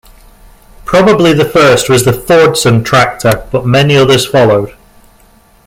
Probably the first was the Fordson tractor, but many others followed.